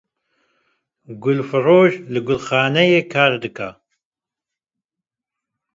Gul firoş li gulxaneyê kar dike